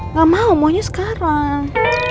nggak mau maunya sekarang